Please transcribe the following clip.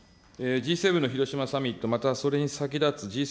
Ｇ７広島サミット、またそれに先立つＧ７